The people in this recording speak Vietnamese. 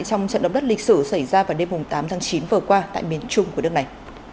trong trận động đất lịch sử xảy ra vào đêm tám tháng chín vừa qua tại miền trung của nước này